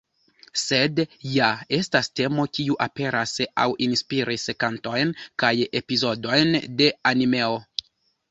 Sed ja estas temo kiu aperas aŭ inspiris kantojn kaj epizodojn de animeo.